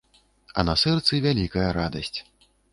А на сэрцы вялікая радасць.